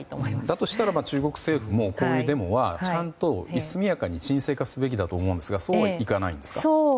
だとしたらば中国政府もこういうデモはちゃんと速やかに鎮静化すべきだと思うんですがそうはいかないんですか？